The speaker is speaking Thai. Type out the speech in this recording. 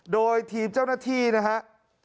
โดยทีมเจ้าหน้าที่นะครับ